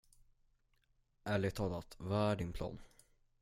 Ärligt talat, vad är din plan?